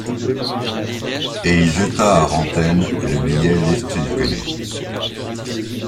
Et il jeta à Rantaine le billet lesté du caillou.